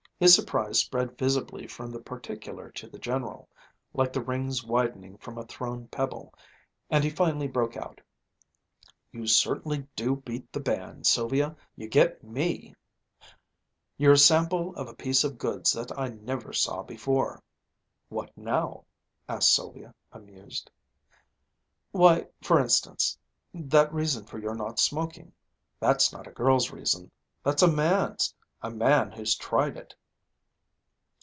His surprise spread visibly from the particular to the general, like the rings widening from a thrown pebble, and he finally broke out: "You certainly do beat the band, Sylvia. You get me! You're a sample off a piece of goods that I never saw before!" "What now?" asked Sylvia, amused. "Why, for instance, that reason for your not smoking. That's not a girl's reason. That's a man's ... a man who's tried it!"